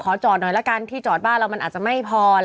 จอดหน่อยละกันที่จอดบ้านเรามันอาจจะไม่พอ